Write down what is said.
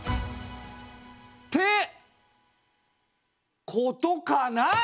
ってことかな！？